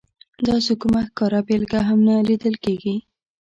داسې کومه ښکاره بېلګه هم نه لیدل کېږي.